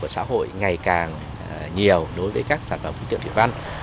xã hội ngày càng nhiều đối với các sản phẩm khí tượng thủy văn